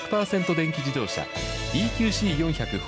電気自動車ＥＱＣ４００４